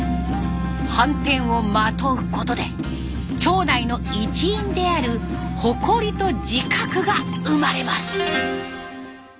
はんてんをまとうことで町内の一員である誇りと自覚が生まれます。